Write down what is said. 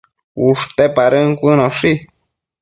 ushte padën cuënoshi